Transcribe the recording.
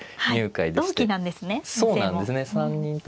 同期なんですね先生も。